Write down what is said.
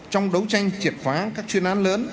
trong đấu tranh triệt phá các chuyên án lớn